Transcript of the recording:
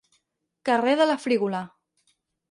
Carrer de la Frígola.